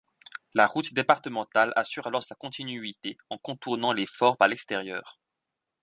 La route départementale assure alors sa continuité en contournant les forts par l’extérieur.